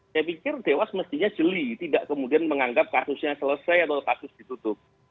saya pikir dewas mestinya jeli tidak kemudian menganggap kasusnya selesai atau kasus ditutup